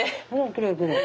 きれいきれい。